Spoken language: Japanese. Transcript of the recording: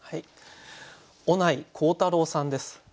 尾内甲太郎さんです。